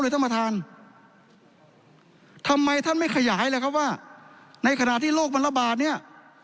ทำไมท่านไม่ขยายเลยครับว่าในขณะที่โลกมันระบาดเนี้ย